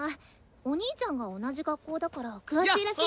お兄ちゃんが同じ学校だから詳しいらしい。